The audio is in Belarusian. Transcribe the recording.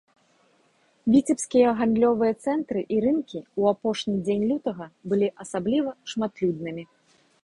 Віцебскія гандлёвыя цэнтры і рынкі ў апошні дзень лютага былі асабліва шматлюднымі.